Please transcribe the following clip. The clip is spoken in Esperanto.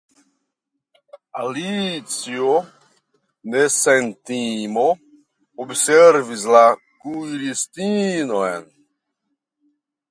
Alicio ne sen timo observis la kuiristinon.